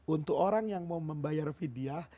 untuk orang yang mau membayar vidyah